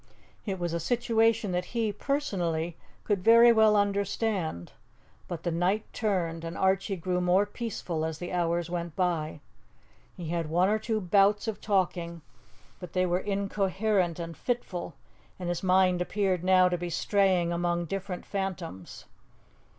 It was a situation that he, personally, could very well understand. But the night turned, and Archie grew more peaceful as the hours went by. He had one or two bouts of talking, but they were incoherent and fitful, and his mind appeared now to be straying among different phantoms.